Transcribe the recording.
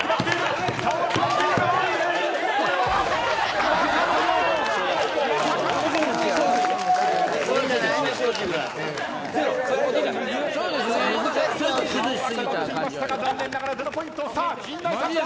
残念ながら０ポイント。